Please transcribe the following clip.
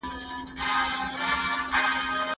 ورو ورو هر څه عادي کيږي.